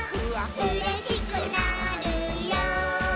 「うれしくなるよ」